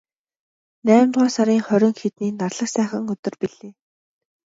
Наймдугаар сарын хорин хэдний нарлаг сайхан өдөр билээ.